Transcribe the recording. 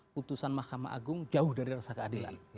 putusan mahkamah agung jauh dari rasa keadilan